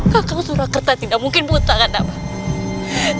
kakak surakerta tidak mungkin buta kan abang